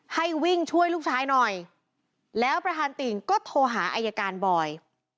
ให้วิ่งช่วยลูกชายหน่อยแล้วประธานติ่งก็โทรหาอายการบอย